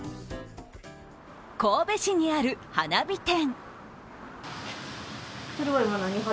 神戸市にある花火店。